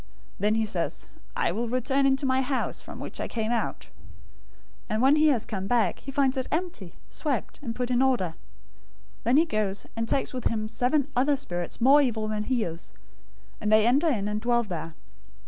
012:044 Then he says, 'I will return into my house from which I came out,' and when he has come back, he finds it empty, swept, and put in order. 012:045 Then he goes, and takes with himself seven other spirits more evil than he is, and they enter in and dwell there.